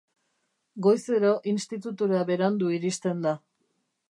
Goizero institutura berandu iristen da.